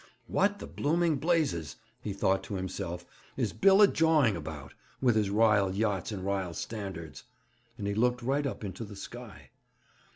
'What the blooming blazes,' he thought to himself, 'is Bill a jawing about, with his Ryle yachts and Ryle Standards?' And he looked right up into the sky.